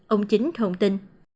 ông chính thông tin